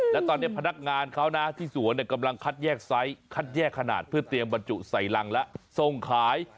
แล้วตอนนี้พนักงานเขานะที่สวนกำลังคัดแยกไซส์คัดแยกขนาดเพื่อเตรียมบรรจุใส่รังและส่งขาย